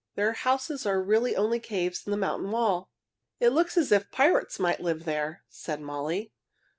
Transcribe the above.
Their houses are really only caves in the mountain wall." "It looks as if pirates might live there," said Molly.